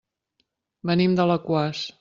Venim d'Alaquàs.